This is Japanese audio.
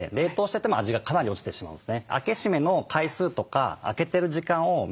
冷凍してても味がかなり落ちてしまうんですね。